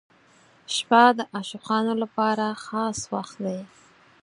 • شپه د عاشقانو لپاره خاص وخت دی.